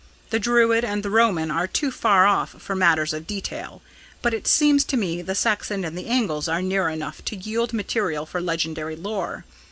The Druid and the Roman are too far off for matters of detail; but it seems to me the Saxon and the Angles are near enough to yield material for legendary lore.